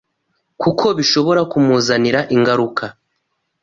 kuko bishobora kumuzanira ingaruka